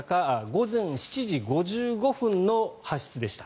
午前７時５５分の発出でした。